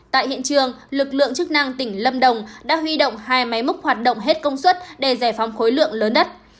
tại hiện trường lực lượng chức năng tỉnh lâm đồng đã huy động hai máy múc hoạt động hết công suất để giải phóng khối lượng lớn đất